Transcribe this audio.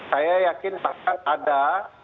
saya yakin bahkan ada